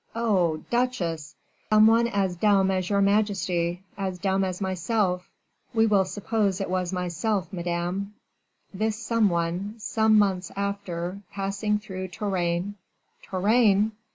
Oh, duchesse!" "Some one as dumb as your majesty, as dumb as myself; we will suppose it was myself, Madame; this some one, some months after, passing through Touraine " "Touraine!"